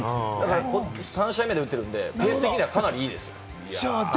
今年は３試合目で打ってるので、ペース的にはかなりいいです。